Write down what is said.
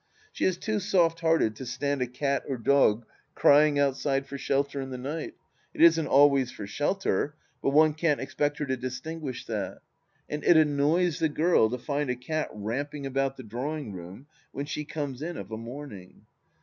She is too soft hearted to stand a cat or dog crying outside for shelter in the night — it isn't always for shelter, but one can't expect her to distinguish that — ^and it annoys the girl to find a cat ramping about the drawing room when she comes in of a morning.